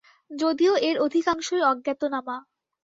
যদিও এর অধিকাংশই অজ্ঞাতনামা।